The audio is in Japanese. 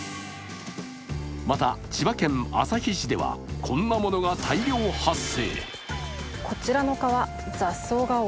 また、千葉県旭市ではこんなものが大量発生。